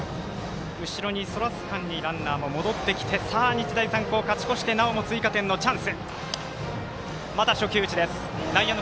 後ろにそらす間にランナーも戻ってきて日大三高、勝ち越してなおも追加点のチャンス。